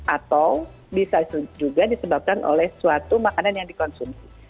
atau bisa juga disebabkan oleh suatu makanan yang dikonsumsi